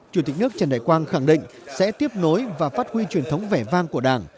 chủ tịch nước trần đại quang khẳng định sẽ tiếp nối và phát huy truyền thống vẻ vang của đảng